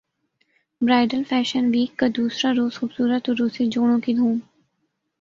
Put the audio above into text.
bridal fashion week کا دوسرا روز خوبصورت عروسی جوڑوں کی دھوم